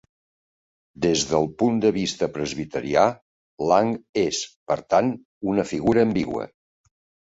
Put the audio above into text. Des del punt de vista presbiterià, Lang és, per tant, una figura ambigua.